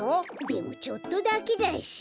でもちょっとだけだし。